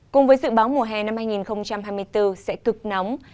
cùng với dự báo mùa hè năm hai nghìn hai mươi bốn sẽ cực nóng